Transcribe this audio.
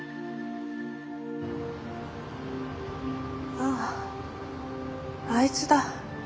あああいつだ。